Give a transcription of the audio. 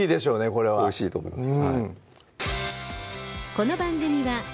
これはおいしいと思います